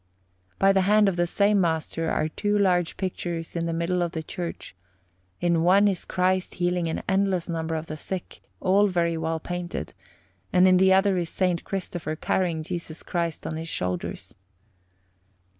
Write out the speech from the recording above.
By the hand of the same master are two large pictures in the middle of the church: in one is Christ healing an endless number of the sick, all very well painted, and in the other is S. Christopher carrying Jesus Christ on his shoulders.